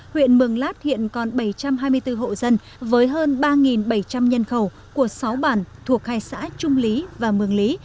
huyện mường lát hiện còn bảy trăm hai mươi bốn hộ dân với hơn ba bảy trăm linh nhân khẩu của sáu bản thuộc hai xã trung lý và mường lý